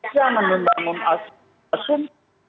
jangan membangun asum